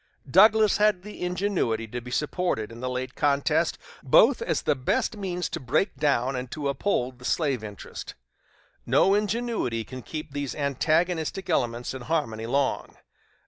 Douglas had the ingenuity to be supported in the late contest, both as the best means to break down and to uphold the slave interest. No ingenuity can keep these antagonistic elements in harmony long.